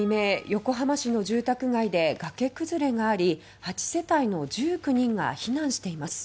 横浜市の住宅街でがけ崩れがあり８世帯の１９人が避難しています。